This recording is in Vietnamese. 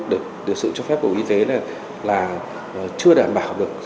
được thử cho phép bộ y tế là chưa đảm bảo được